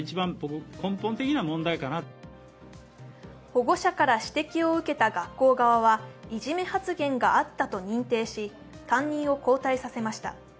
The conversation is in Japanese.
保護者から指摘を受けた学校側はいじめ発言があったと認定し担任を交代させました。